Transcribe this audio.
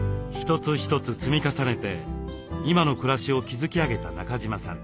一つ一つ積み重ねて今の暮らしを築き上げた中島さん。